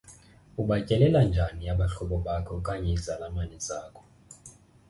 Ubatyelela njani abahlobo okanye izalamane zakho?